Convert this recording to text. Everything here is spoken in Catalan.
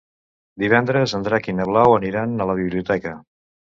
Divendres en Drac i na Blau aniran a la biblioteca.